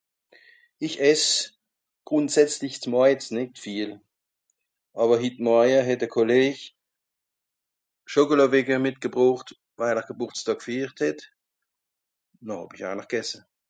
ìsch ess grùndsätzlich s'morjes nìt viel àwer hit morje het à collèch schòkòlàtwecke mìtgebroocht wail ar gebùrtsdaa g'fiert hett nòr hàwie einer gesse